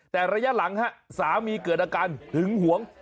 แต่ระยะหลังสามีเกิดอาการหึงหวง